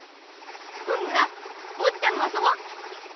ほんなら坊ちゃんも遊ぼう。